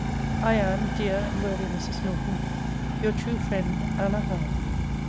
I am, dear and worthy Mrs. Norton, Your true friend, ANNA HOWE.